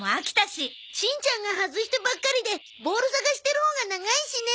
しんちゃんが外してばっかりでボール捜してるほうが長いしね。